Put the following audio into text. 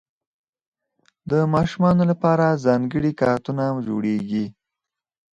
د ماشومانو لپاره ځانګړي کارتونونه جوړېږي.